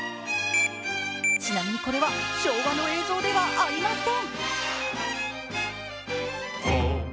ちなみにこれは昭和の映像ではありません。